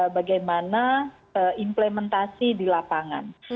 bagaimana implementasi di lapangan